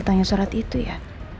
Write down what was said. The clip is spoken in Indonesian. tanya surat itu ya